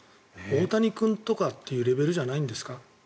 大谷君とかというレベルじゃないんですか？